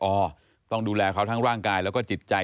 ต้องดูแลเขาทั้งร่างกายแล้วก็จิตใจ